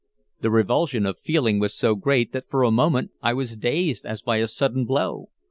The revulsion of feeling was so great that for the moment I was dazed as by a sudden blow.